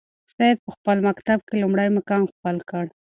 سعید په خپل مکتب کې لومړی مقام خپل کړ.